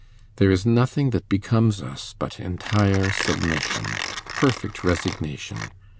There is nothing that becomes us but entire submission, perfect resignation.